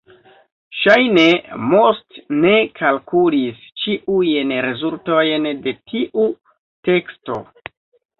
Ŝajne Most ne kalkulis ĉiujn rezultojn de tiu teksto.